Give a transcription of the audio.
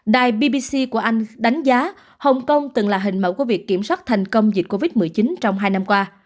đài bbc của anh đánh giá hồng kông từng là hình mẫu của việc kiểm soát thành công dịch covid một mươi chín trong hai năm qua